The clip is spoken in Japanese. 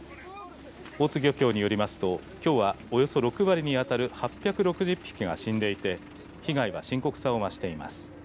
大津漁協によりますと、きょうはおよそ６割にあたる８６０匹が死んでいて被害は深刻さを増しています。